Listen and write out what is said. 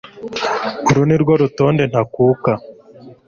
uru nirwo rutonde ntakuka